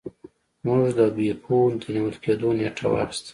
موږ د بیپو د نیول کیدو نیټه واخیسته.